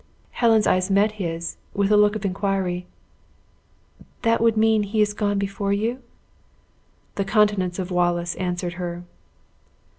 Helen's eyes met his, with a look of inquiry: "That would mean he is gone before you?" The countenance of Wallace answered her.